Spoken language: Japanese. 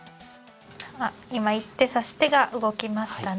今、一手、指し手が動きましたね。